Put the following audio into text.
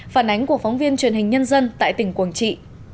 phản ánh của phóng viên truyền hình nhân dân tại tỉnh quảng trị